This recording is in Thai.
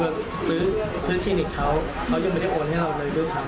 ก็ซื้อคลินิกเขาเขายังไม่ได้โอนให้เราเลยด้วยซ้ำ